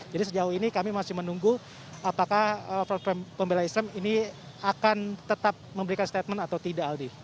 jadi sejauh ini kami masih menunggu apakah front pembela islam ini akan tetap memberikan statement atau tidak aldi